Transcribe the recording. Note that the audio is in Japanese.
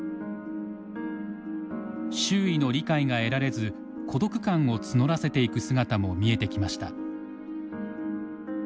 周囲の理解が得られず孤独感を募らせていく姿も見えてきました。